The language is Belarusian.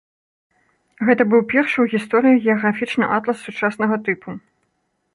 Гэта быў першы ў гісторыі геаграфічны атлас сучаснага тыпу.